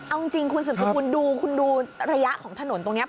เอาจริงคุณสืบสกุลดูคุณดูระยะของถนนตรงนี้